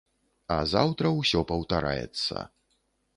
А заўтра ўсё паўтараецца.